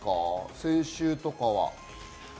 先週とかは。